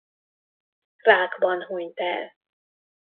Rákban hunyt el.